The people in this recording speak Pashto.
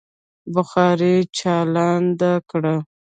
بخارۍ چالانده کړه.